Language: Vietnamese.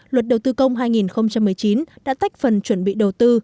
luật đầu tư công hai nghìn một mươi chín đã tách phần chuẩn bị đầu tư